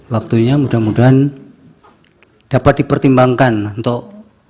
waktunya mudah mudahan dapat dipertimbangkan untuk